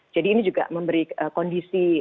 jadi ini juga memberi kondisi